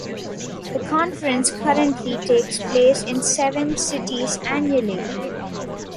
The conference currently takes place in seven cities annually.